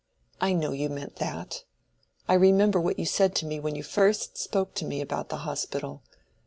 I know you meant that. I remember what you said to me when you first spoke to me about the hospital.